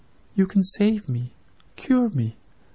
You can save me, cure me.